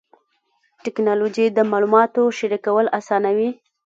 ټکنالوجي د معلوماتو شریکول اسانوي.